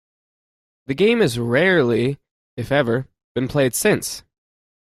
The game has rarely if ever been played since.